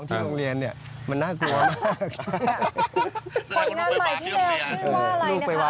ชื่อว่าอะไรนะคะ